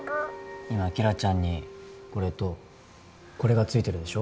今紀來ちゃんにこれとこれがついてるでしょ？